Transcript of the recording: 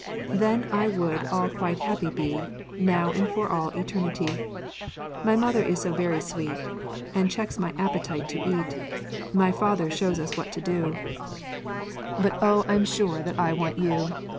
Then I would all quite happy be Now and for all eternity. My mother is so very sweet, And checks my appetite to eat; My father shows us what to do; But O I'm sure that I want you.